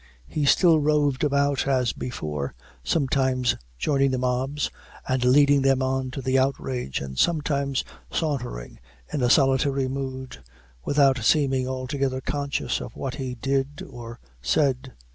He still roved about as before, sometimes joining the mobs, and leading them on to the outrage, and sometimes sauntering in a solitary mood, without seeming altogether conscious of what he did or said.